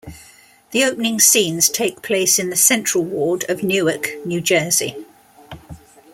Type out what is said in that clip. The opening scenes take place in the Central Ward of Newark, New Jersey.